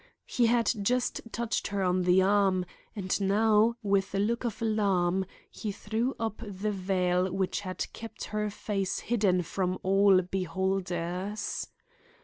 He had just touched her on the arm, and now, with a look of alarm, he threw up the veil which had kept her face hidden from all beholders.